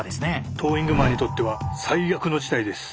トーイングマンにとっては最悪の事態です。